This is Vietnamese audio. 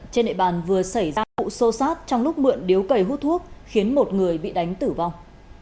trên nệ bàn vừa xảy ra vụ sô sát trong lúc mượn điếu cầy hút thuốc khiến một người bị đánh tử vong